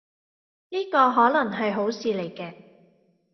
呢個可能係好事嚟嘅